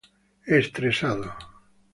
estresado